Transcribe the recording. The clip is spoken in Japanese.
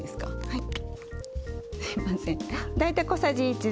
はい。